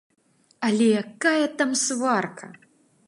Але якая там сварка!